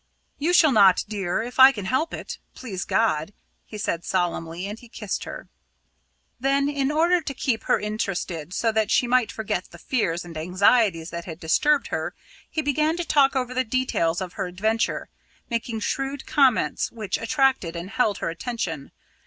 "You shall not, dear if I can help it please God," he said solemnly, and he kissed her. Then, in order to keep her interested so that she might forget the fears and anxieties that had disturbed her, he began to talk over the details of her adventure, making shrewd comments which attracted and held her attention.